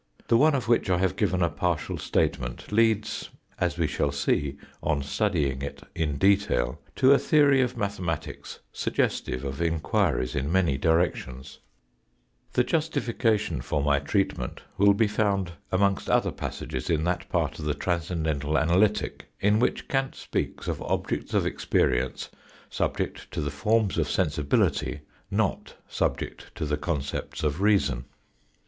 The one of which I have given a partial statement leads, as we shall see on studying it in detail, to a theory of mathematics suggestive of enquiries in many direptjon?. APPLICATION TO KAJTr's THEORY OF EXPERIENCE 109 The justification for my treatment will be found amongst other passages in that part of the transcendental analytic, in which Kant speaks of objects of experience subject to the forms of sensibility, not subject to the concepts of reason.